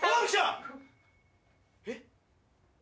えっ？